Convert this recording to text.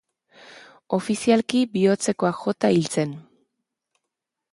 Ofizialki bihotzekoak jota hil zen.